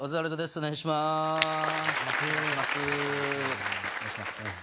お願いします